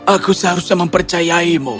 aku seharusnya mempercayainmu